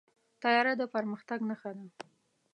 طیاره د پرمختګ نښه ده.